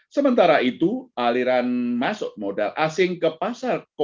sementara itu aliran masuk modal asing ke pasar